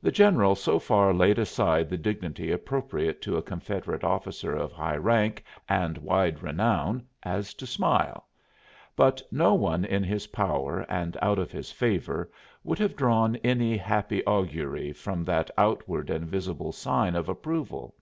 The general so far laid aside the dignity appropriate to a Confederate officer of high rank and wide renown as to smile. But no one in his power and out of his favor would have drawn any happy augury from that outward and visible sign of approval.